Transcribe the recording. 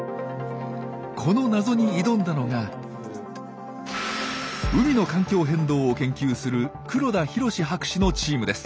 この謎に挑んだのが海の環境変動を研究する黒田寛博士のチームです。